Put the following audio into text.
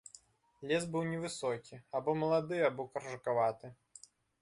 Лес быў невысокі, або малады, або каржакаваты.